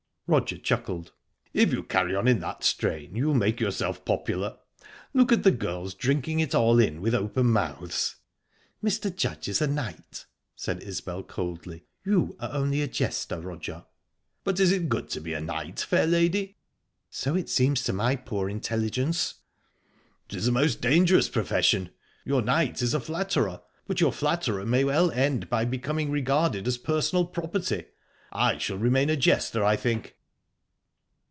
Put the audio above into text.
Roger chuckled. "If you carry on in that strain you'll make yourself popular. Look at the girls, drinking it all in with open mouths." "Mr. Judge is a knight," said Isbel coldly. "You are only a jester, Roger." "But is it good to be a knight, fair lady?" "So it seems to my poor intelligence." "'Tis a most dangerous profession. Your knight is a flatterer. But your flatterer may well end by becoming regarded as personal property. I shall remain a jester, I think."